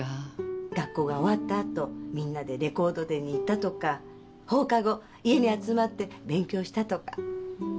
学校が終わった後みんなでレコード店に行ったとか放課後家に集まって勉強したとか。